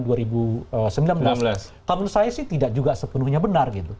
menurut saya sih tidak juga sepenuhnya benar gitu